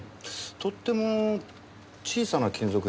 とっても小さな金属片ですね。